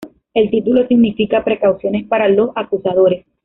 El título significa "Precauciones para los acusadores".